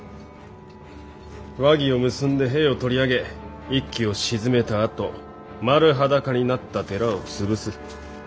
和議を結んで兵を取り上げ一揆を鎮めたあと丸裸になった寺を潰す。